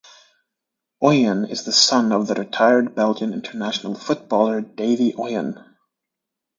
Oyen is the son of the retired Belgium international footballer Davy Oyen.